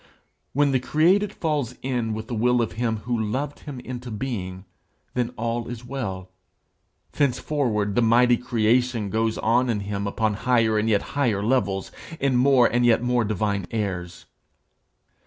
When the created falls in with the will of him who 'loved him into being,' then all is well; thenceforward the mighty creation goes on in him upon higher and yet higher levels, in more and yet more divine airs.